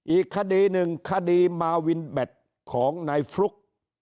อีกคดีหนึ่งคดีมาวินแบตของนายฟลุ๊ก